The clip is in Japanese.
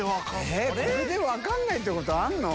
これで分かんないってことあるの？